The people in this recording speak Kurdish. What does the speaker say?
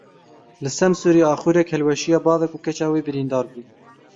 Li Semsûrê axurek hilweşiya bavek û keça wê birîndar bûn.